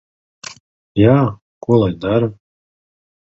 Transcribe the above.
Jā. Ko lai dara?